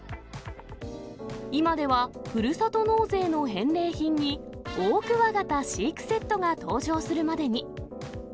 今では、ふるさと納税の返礼品にオオクワガタ飼育セットが登場するまでに。